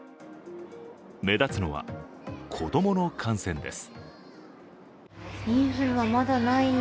目立つのは、子供の感染です。